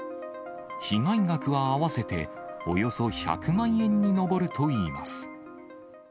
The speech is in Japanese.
被害額は合わせておよそ１００万円に上るといいます。